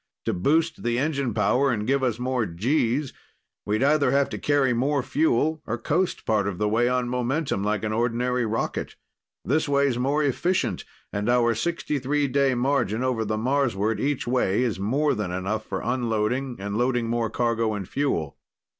To boost the engine power and give us more Gs, we'd either have to carry more fuel or coast part of the way on momentum, like an ordinary rocket. This way's more efficient, and our 63 day margin over the Marsward each way is more than enough for unloading and loading more cargo and fuel."